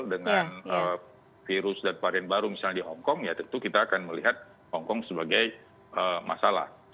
dengan virus dan varian baru misalnya di hongkong ya tentu kita akan melihat hongkong sebagai masalah